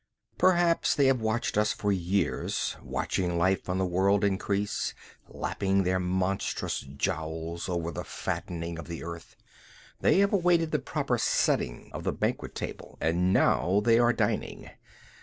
Perhaps they have watched us for years, watching life on the world increase, lapping their monstrous jowls over the fattening of the Earth. They have awaited the proper setting of the banquet table and now they are dining.